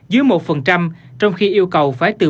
dưới một trong khi yêu cầu phải từ ba bốn